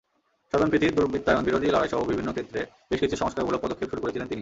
স্বজনপ্রীতি, দুর্বৃত্তায়নবিরোধী লড়াইসহ বিভিন্ন ক্ষেত্রে বেশ কিছু সংস্কারমূলক পদক্ষেপ শুরু করেছিলেন তিনি।